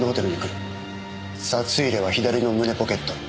札入れは左の胸ポケット。